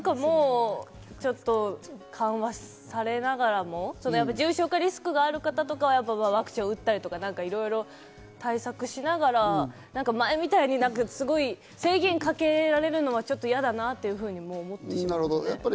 ちょっと緩和されながらも、重症化リスクがある方とかはワクチンを打ったりとか、いろいろ対策しながら前みたいにすごく制限かけられるのはちょっと嫌だなと思ってしまいますね。